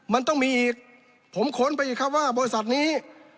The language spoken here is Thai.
มันต้องมีอีกผมค้นไปอีกครับว่าบริษัทนี้